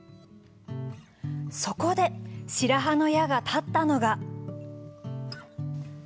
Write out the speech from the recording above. そこで白羽の矢が立ったのが。